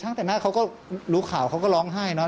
ช่างแต่งหน้าเขาก็รู้ข่าวที่เขามีร้องไห้เนอะ